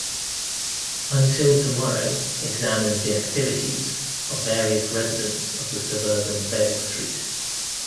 "Until Tomorrow" examined the activities of various residents of the suburban Vale Street.